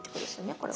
これは。